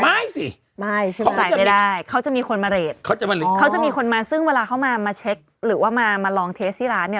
ไม่สิเขาใส่ไม่ได้เขาจะมีคนมาเรดเขาจะมีคนมาซึ่งเวลาเขามาเช็คหรือว่ามาลองเทสที่ร้านเนี่ย